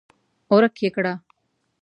ورک يې کړه!